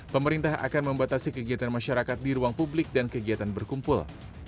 pemerintah akan membatasi kegiatan masyarakat di ruang publik dan kegiatan berkumpul